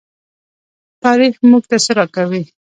تاریخ موږ ته څه راکوي؟